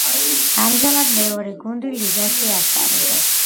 ამჟამად გუნდი მეორე ლიგაში ასპარეზობს.